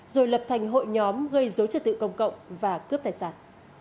rồi lập thành hội nhóm gây dối trật tự công cộng và cướp tài sản